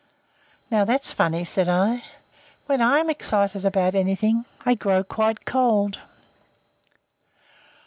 "Now, that's funny," said I. "When I'm excited about anything I grow quite cold."